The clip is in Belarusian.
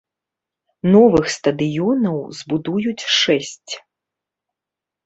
Новых стадыёнаў збудуюць шэсць.